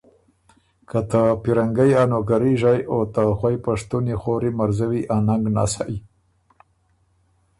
که ته پیرنګئ ا نوکري ژئ او ته خوئ پشتُونی خؤوری مرزوی ا ننګ نسئ